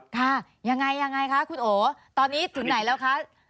ค่ะยังไงยังไงคะคุณโอตอนนี้ถึงไหนแล้วคะ